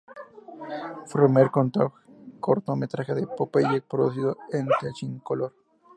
Fue el primer cortometraje de Popeye producido en Technicolor.